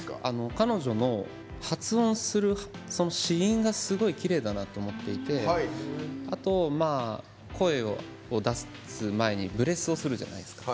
彼女の発音する子音が、すごくきれいだなと思っていてあと、声を出す前にブレスをするじゃないですか。